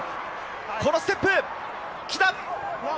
このステップ、木田！